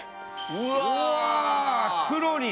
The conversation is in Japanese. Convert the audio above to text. うわ。